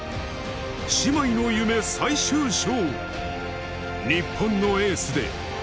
姉妹の夢最終章。